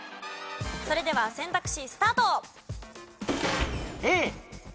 それでは選択肢スタート。